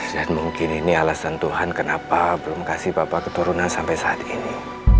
dan mungkin ini alasan tuhan kenapa belum kasih papa keturunan sampai saat ini